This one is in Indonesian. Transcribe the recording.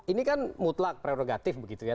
ini kan mutlak prerogatif begitu ya